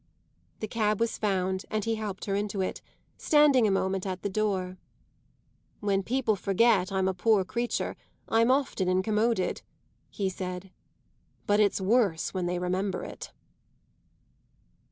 The cab was found, and he helped her into it, standing a moment at the door. "When people forget I'm a poor creature I'm often incommoded," he said. "But it's worse when they remember it!"